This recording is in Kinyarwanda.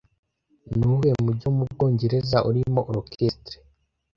Nuwuhe mujyi wo mu Bwongereza urimo Orchestre